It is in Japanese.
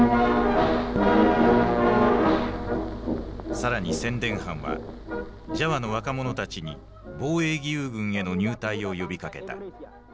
更に宣伝班はジャワの若者たちに防衛義勇軍への入隊を呼びかけた。